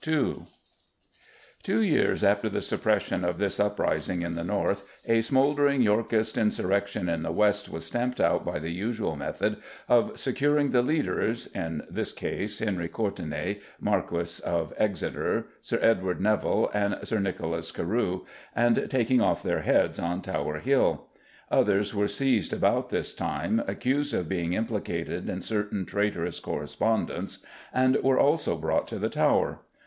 Two years after the suppression of this rising in the North a smouldering Yorkist insurrection in the West was stamped out by the usual method of securing the leaders, in this case Henry Courtenay, Marquis of Exeter, Sir Edward Nevill and Sir Nicholas Carew, and taking off their heads on Tower Hill. Others were seized about this time, accused of being implicated in certain traitorous correspondence, and were also brought to the Tower.